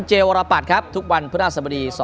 เจวรปัดครับทุกวันพฤนธสบดี